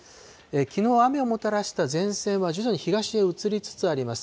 きのう、雨をもたらした前線は徐々に東へ移りつつあります。